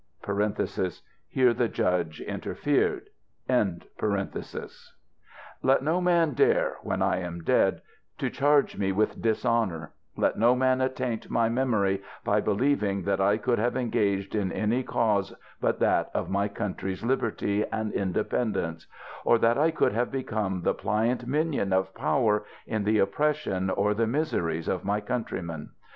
[Here the Judge interfered.] Let no man dare, when I am dead, to charge me with dis honour ; let no man attaint my memory by believing that I could have engaged in any cause but that of my country's liberty and independence ; or that I could have become the pliant minion of 870 PATRIOTIC SPEECH OF MR. EMMET. power in the oppression or the miseries of my countrymen.